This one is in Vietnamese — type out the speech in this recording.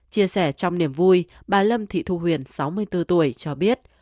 chia sẻ trong niềm vui bà lâm thị thu huyền sáu mươi bốn tuổi cho biết